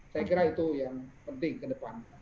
saya kira itu yang penting ke depan